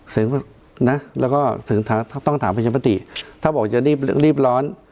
เสียงนะแล้วก็ถึงถ้าต้องถามปัญญาปฏิถ้าบอกจะรีบร้อน